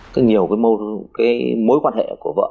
cái mối quan hệ của vợ